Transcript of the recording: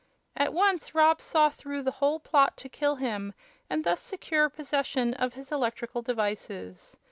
At once Rob saw through the whole plot to kill him and thus secure possession of his electrical devices.